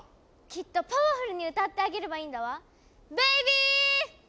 きっとパワフルに歌ってあげればいいんだわ。